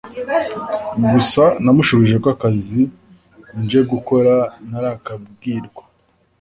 gusa namushubije ko akazi nje gukora ntarakabwirwa